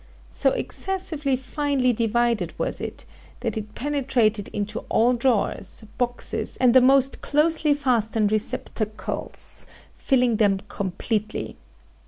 So excessively finely divided was it, that it penetrated into all drawers, boxes, and the most closely fastened receptacles, filling them completely.